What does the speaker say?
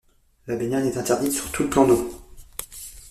La baignade est interdite sur tout le plan d'eau.